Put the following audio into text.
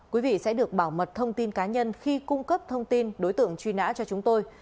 quý vị sẽ được bảo mật thông tin cá nhân khi cung cấp thông tin đối tượng truy nã cho chúng tôi